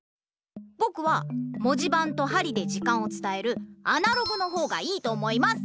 ぼくは文字ばんとはりで時間をつたえるアナログのほうがいいと思います！